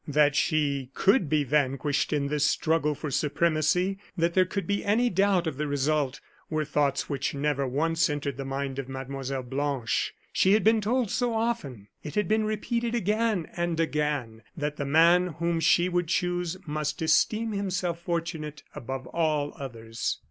That she could be vanquished in this struggle for supremacy; that there could be any doubt of the result, were thoughts which never once entered the mind of Mlle. Blanche. She had been told so often, it had been repeated again and again, that the man whom she would choose must esteem himself fortunate above all others.